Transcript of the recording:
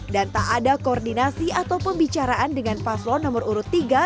dan tak ada koordinasi atau pembicaraan dengan paslon nomor urut tiga